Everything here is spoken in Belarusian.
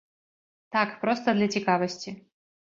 Так, проста для цікавасці.